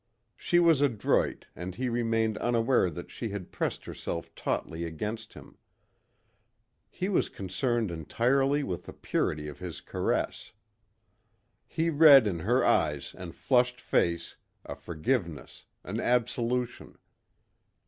She was adroit and he remained unaware that she had pressed herself tautly against him. He was concerned entirely with the purity of his caress. He read in her eyes and flushed face a forgiveness, an absolution.